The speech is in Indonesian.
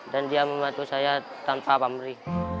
dan dia membantu saya tanpa pamri